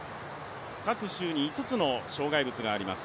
各周に５つの障害があります。